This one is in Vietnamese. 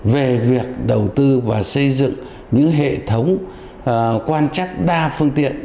về việc đầu tư và xây dựng những hệ thống quan trắc đa phương tiện